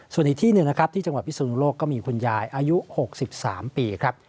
ส่วนอีกที่หนึ่งนะครับที่จังหวัดพิสุนุโลกก็มีคุณยายอายุ๖๓ปีครับ